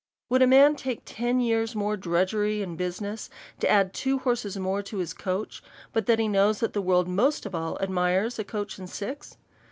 Would a man take ten years more drudgery in bu siness to add two horses more to his coach, but that he knows, that the world most of all admires a coach and six?